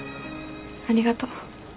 ありがと。